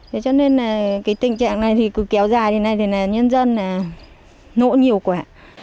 thế cho nên là cái tình trạng này thì cứ kéo dài thì nay thì là nhân dân nỗ nhiều quá